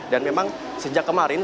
dan memang sejak kemarin